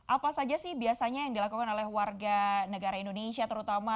apa saja sih biasanya yang dilakukan oleh warga negara indonesia terutama